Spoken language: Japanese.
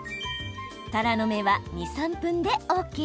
たらの芽は２、３分でＯＫ。